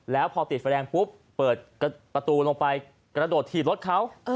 แล้วพอติดไฟแดงปุ๊บเปิดประตูลงไปกระโดดถีบรถเขา